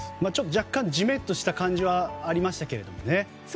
若干、ジメッとした感じはありましたけどね。